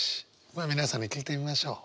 まあ皆さんに聞いてみましょう。